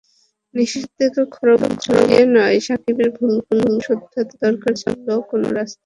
নিষেধাজ্ঞার খড়্গ ঝুলিয়ে নয়, সাকিবের ভুলগুলো শোধরাতে দরকার ছিল অন্য কোনো রাস্তা।